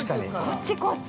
◆こっちこっち。